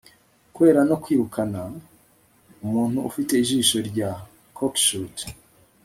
kwera no kwirukana, umuntu ufite ijisho rya cockshut